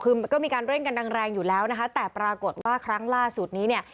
คือก็มีการเร่งกันแรงอยู่แล้วนะคะแต่ปรากฏว่าครั้งล่าสุดนี้เนี่ย